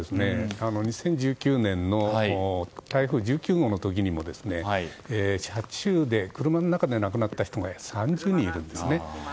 ２０１９年の台風１９号の時にも車中で、車の中で亡くなった人が３０人いるんですね。